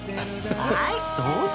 はいどうぞ！